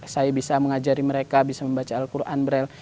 saya bisa mengajari mereka bisa membaca al quran braille